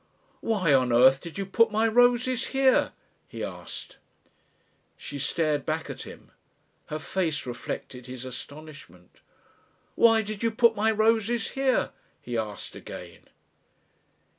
"Why on earth did you put my roses here?" he asked. She stared back at him. Her face reflected his astonishment. "Why did you put my roses here?" he asked again.